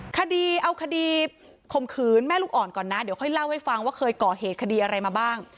คดีเอาคดีข่มขืนแม่ลูกอ่อนก่อนนะเดี๋ยวค่อยเล่าให้ฟังว่าเคยก่อเหตุคดีอะไรมาบ้าง